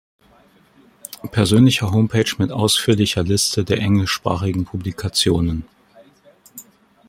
Persönliche Homepage mit ausführlicher Liste der englischsprachigen Publikationen